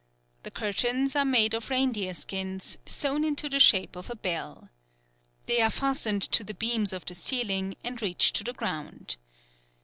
The curtains are made of reindeer skins, sewn into the shape of a bell. They are fastened to the beams of the ceiling, and reach to the ground.